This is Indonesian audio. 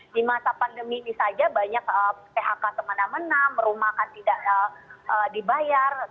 di masa pandemi ini saja banyak phk teman teman rumah akan tidak dibayar